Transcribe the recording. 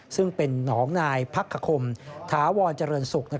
ซึ่งเป็นหนองนายพักคคมถจรสุก